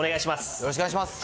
よろしくお願いします。